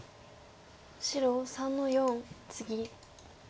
白３の四ツギ。